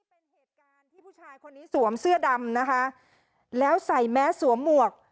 เป็นเหตุการณ์ที่ผู้ชายคนนี้สวมเสื้อดำนะคะแล้วใส่แมสสวมหมวก